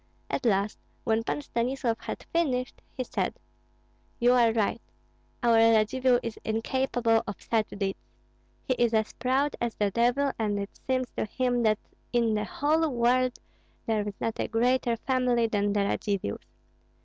At last, when Pan Stanislav had finished, he said, "You are right! Our Radzivill is incapable of such deeds. He is as proud as the devil, and it seems to him that in the whole world there is not a greater family than the Radzivills.